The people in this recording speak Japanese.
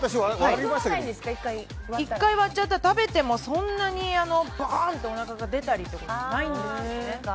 １回割っちゃうと食べてもそんなにボンッとおなかが出たりとかないんですよね。